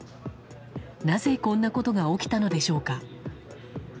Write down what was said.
なぜこんなことが起きたのでしょうか。